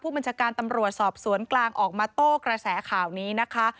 บัญชาการตำรวจสอบสวนกลางออกมาโต้กระแสข่าวนี้นะคะ